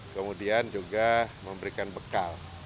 kemudian juga memberikan bekal